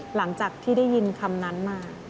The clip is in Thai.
หลังจากที่ได้ยินคำนั้นมา